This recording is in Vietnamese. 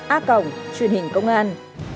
a cổng truyền hình công an